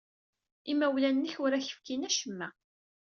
Imawlan-nnek ur ak-fkin acemma?